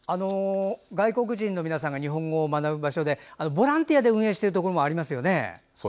外国人の皆さんが日本語を学ぶ場所でボランティアで運営しているところもありますよね。